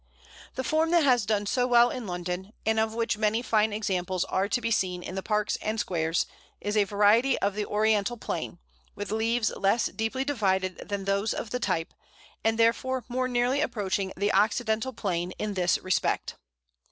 The form that has done so well in London, and of which many fine examples are to be seen in the parks and squares, is a variety of the Oriental Plane, with leaves less deeply divided than those of the type, and therefore more nearly approaching the Occidental Plane in this respect.